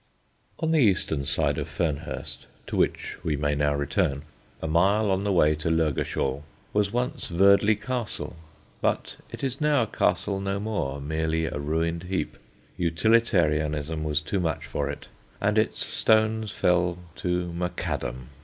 On the eastern side of Fernhurst, to which we may now return, a mile on the way to Lurgashall, was once Verdley Castle; but it is now a castle no more, merely a ruined heap. Utilitarianism was too much for it, and its stones fell to Macadam.